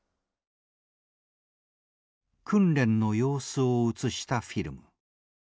訓練の様子を映したフィルム。